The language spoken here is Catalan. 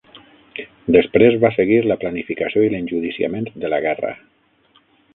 Després va seguir la planificació i l'enjudiciament de la guerra.